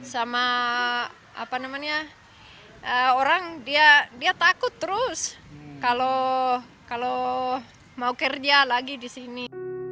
sama orang dia takut terus kalau mau kerja lagi di sini